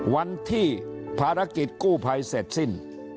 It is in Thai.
วันที่ภารกิจกู้ภัยเสร็จสิ้น